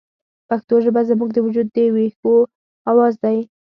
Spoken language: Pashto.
پښتو ژبه زموږ د وجود د ریښو اواز دی